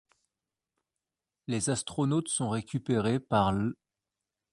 Les astronautes sont récupérés par l'.